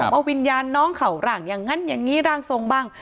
ว่าวิญญาณน้องเขาหลังอย่างนั้นอย่างนี้ร่างทรงบ้าง